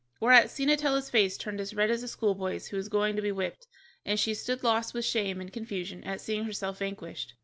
whereat Ciennetella's face turned as red as a schoolboy's who is going to be whipped, and she stood lost with shame and confusion at seeing herself vanquished.